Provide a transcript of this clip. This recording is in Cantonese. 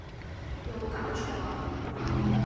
有冇搞錯呀！